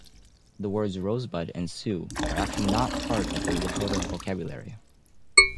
The words "Rosebud" and "Sioux" are actually not part of the Lakota vocabulary.